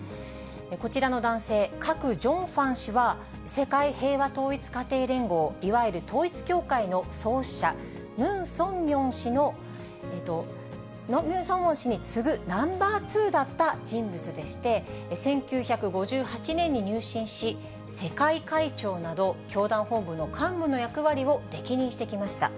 こちらの男性、クァク・ジョンファン氏は、世界平和統一家庭連合、いわゆる統一教会の創始者、ムン・ソンミョン氏に次ぐナンバー２だった人物でして、１９５８年に入信し、世界会長など、教団本部の幹部の役割を歴任してきました。